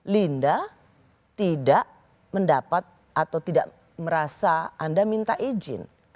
linda tidak mendapat atau tidak merasa anda minta izin